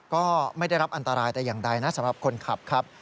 ก็ไม่ได้รับอันตรายแต่อย่างใดนะสำหรับคนขับครับ